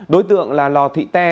đối tượng là lò thị te